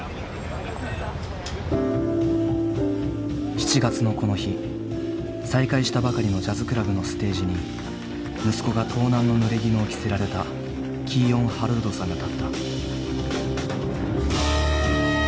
７月のこの日再開したばかりのジャズクラブのステージに息子が盗難のぬれぎぬを着せられたキーヨン・ハロルドさんが立った。